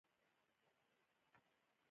موږ چې اوس پر کومه لار ځو، هغه تا ته معلومه ده؟